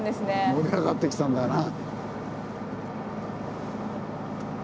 盛り上がってきたんだな。